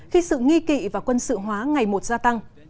khi sự nghi kỵ và quân sự hóa ngày một gia tăng